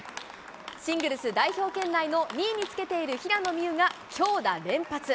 シングルス代表圏内の２位につけている平野美宇が強打連発。